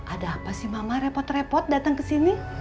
ada apa sih mama repot repot datang ke sini